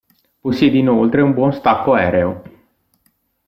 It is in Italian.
Possiede inoltre un buon stacco aereo.